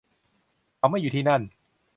เขาไม่อยู่ที่นั่น